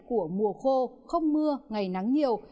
của mùa khô không mưa ngày nắng nhiều